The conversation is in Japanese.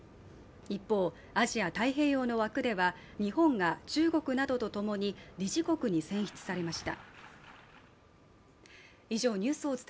一方、アジア太平洋の枠では日本が中国などとともに理事国に選出されました。